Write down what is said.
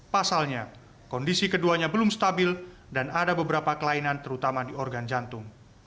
pasalnya kondisi keduanya belum stabil dan ada beberapa kelainan terutama di organ jantung